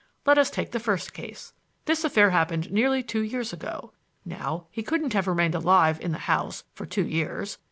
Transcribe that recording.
Let us take the first case. This affair happened nearly two years ago. Now, he couldn't have remained alive in the house for two years.